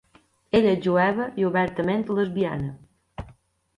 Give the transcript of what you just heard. Ella és jueva i obertament lesbiana.